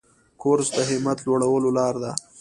کورس د همت لوړولو لاره ده.